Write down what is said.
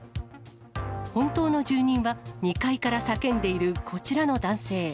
本当の住人は２階から叫んでいるこちらの男性。